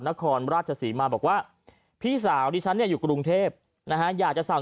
นครราชศรีมาบอกว่าพี่สาวดิฉันเนี่ยอยู่กรุงเทพนะฮะอยากจะสั่ง